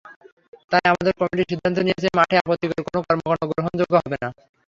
তাই আমাদের কমিটি সিদ্ধান্ত নিয়েছে, মাঠে আপত্তিকর কোনো কর্মকাণ্ড গ্রহণযোগ্য হবে না।